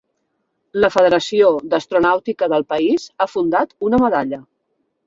La Federació d'Astronàutica del país ha fundat una medalla.